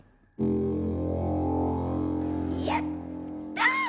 やった！